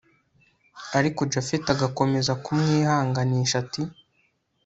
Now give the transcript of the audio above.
ariko japhet agakomeza kumwihanganisha ati